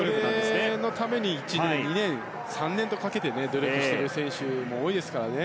そのために１年、２年、３年とかけて努力している選手も多いですからね。